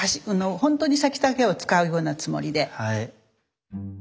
本当に先だけを使うようなつもりで。